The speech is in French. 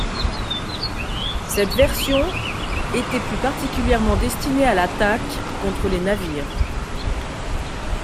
Cette version était plus particulièrement destinée à l'attaque contre les navires.